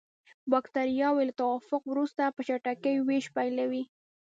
بکټریاوې له توافق وروسته په چټکۍ ویش پیلوي.